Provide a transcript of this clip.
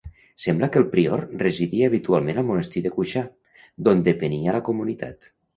Sembla que el prior residia habitualment al monestir de Cuixà, d'on depenia la comunitat.